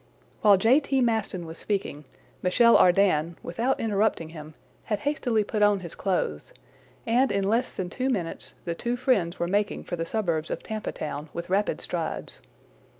While J. T. Maston was speaking, Michel Ardan, without interrupting him, had hastily put on his clothes; and, in less than two minutes, the two friends were making for the suburbs of Tampa Town with rapid strides.